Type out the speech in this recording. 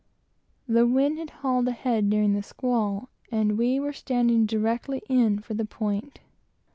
The wind had hauled ahead during the squall, and we were standing directly in for the point.